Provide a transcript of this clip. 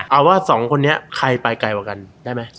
เอาว่าสองคนนี้ใครไปไกลกว่ากันได้ไหม